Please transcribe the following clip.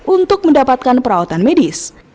untuk mendapatkan perawatan medis